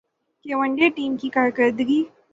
کہ one day team کی کارکردگی